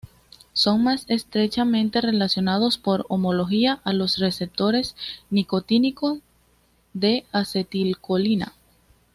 Son más estrechamente relacionados por homología a los receptores nicotínicos de acetilcolina.